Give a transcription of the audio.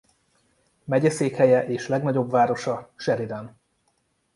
Megyeszékhelye és legnagyobb városa Sheridan.